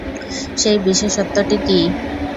সেই বিশেষত্বটি কী?